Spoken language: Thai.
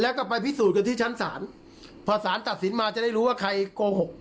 แล้วก็ไปพิสูจน์กันที่ชั้นศาลพอสารตัดสินมาจะได้รู้ว่าใครโกหก